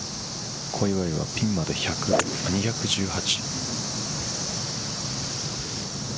小祝はピンまで２１８。